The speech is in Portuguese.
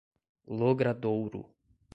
Logradouro